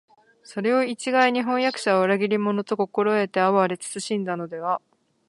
それを一概に「飜訳者は裏切り者」と心得て畏れ謹しんだのでは、